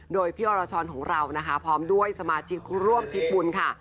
โดยพี่อรชรของเรานะคะพร้อมด้วยสมาชิกร่วมทิศบุญค่ะ